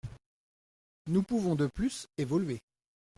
Nous pouvons, de plus, évoluer.